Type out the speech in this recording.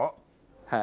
はい。